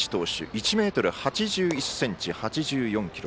１ｍ８１ｃｍ、８４ｋｇ。